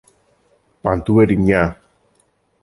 Παντού ερημιά.